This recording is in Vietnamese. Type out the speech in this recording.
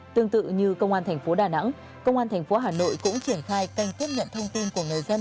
tương tự như công an thành phố đà nẵng công an thành phố hà nội cũng triển khai kênh tiếp nhận thông tin của người dân